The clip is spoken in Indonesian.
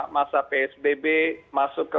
masa psbb masuk ke